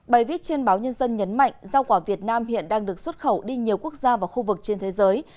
bài viết trên báo nhân dân nhấn mạnh rau quả việt nam hiện đang được xuất khẩu đi nhiều quốc gia và khu vực trên thế giới